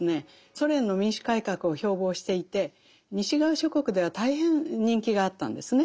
ソ連の民主改革を標榜していて西側諸国では大変人気があったんですね。